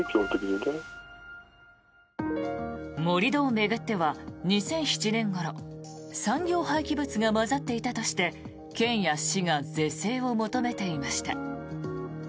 盛り土を巡っては２００７年ごろ産業廃棄物が混ざっていたとして県や市が是正を求めていました。